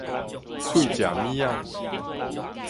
喙食物仔